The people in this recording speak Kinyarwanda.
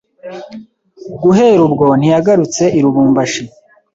guhera ubwo ntiyagarutse i Lubumbashi.